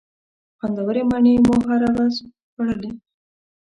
خوندورې مڼې مو هره ورځ خوړلې.